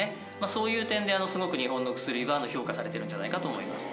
そういう点ですごく日本の薬は評価されてるんじゃないかと思います。